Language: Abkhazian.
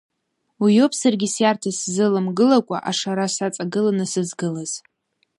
Уиоуп саргьы сиарҭа сзыламгылакәа, ашара саҵагыланы сызгылаз.